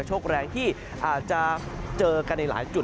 เจอใกล้หลายจุด